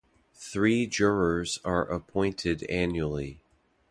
Three jurors are appointed annually.